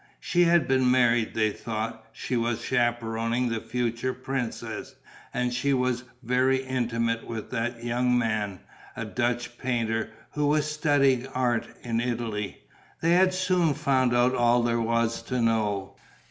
She had been married, they thought; she was chaperoning the future princess; and she was very intimate with that young man, a Dutch painter, who was studying art in Italy. They had soon found out all that there was to know.